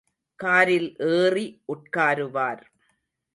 காரில் ஏறி உட்காருவார்.